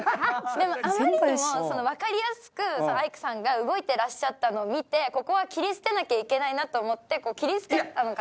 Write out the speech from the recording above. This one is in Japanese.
でもあまりにも分かりやすくアイクさんが動いてたのを見てここは切り捨てなきゃいけないなと思って切り捨てたのかな。